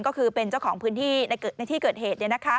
ก็คือเป็นเจ้าของพื้นที่ในที่เกิดเหตุ